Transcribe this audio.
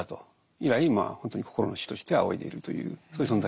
以来本当に心の師として仰いでいるというそういう存在ですね。